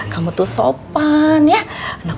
kamu tuh sopan ya